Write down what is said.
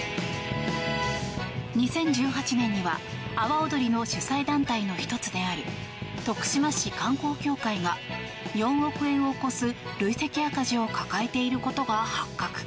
２０１８年には阿波おどりの主催団体の１つである徳島市観光協会が４億円を超す累計赤字を抱えていることが発覚。